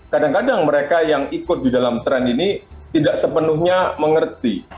kadang kadang mereka yang ikut di dalam tren ini tidak sepenuhnya mengerti